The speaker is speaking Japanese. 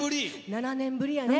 ７年ぶりやね。